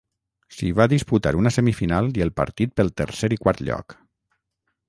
S'hi va disputar una semifinal i el partit pel tercer i quart lloc.